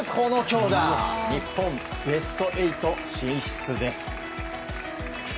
日本、ベスト８進出です。